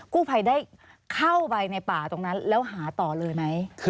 กู้ภัยได้เข้าไปในป่าตรงนั้นแล้วหาต่อเลยไหม